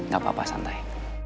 gak apa apa santai